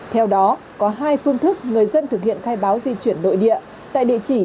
theo đó có hai phương thức người dân thực hiện khai báo di chuyển nội địa tại địa chỉ